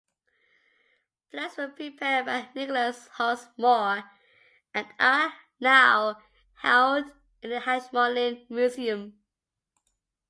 Plans were prepared by Nicholas Hawksmoor and are now held in the Ashmolean Museum.